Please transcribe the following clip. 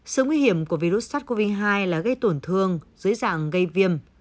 sự nguy hiểm của virus sars cov hai là gây tổn thương dưới dạng gây viêm